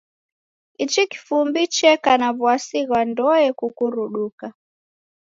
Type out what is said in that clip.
Ichi kifumbu cheka na w'asi ghwa ndoe kukuruduka.